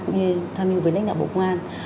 cũng như tham mưu với lãnh đạo bộ công an